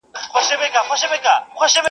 تر ملاغې ئې لاستی دروند سو-